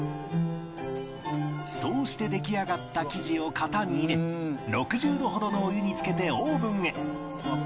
そうして出来上がった生地を型に入れ６０度ほどのお湯につけてオーブンへ